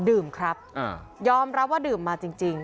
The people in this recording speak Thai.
ดื่มครับยอมรับว่าดื่มมาจริง